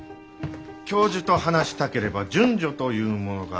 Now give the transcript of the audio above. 教授と話したければ順序というものがある。